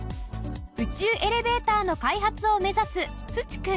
宇宙エレベーターの開発を目指す須知くん。